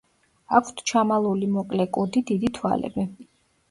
აქვთ ჩამალული მოკლე კუდი, დიდი თვალები.